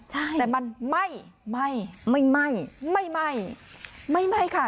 ใช่แต่มันไหม้ไหม้ไม่ไหม้ไม่ไหม้ไม่ไหม้ค่ะ